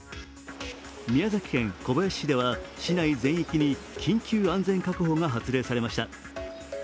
宮崎県小林市では、市内全域に緊急安全確保が発令されました。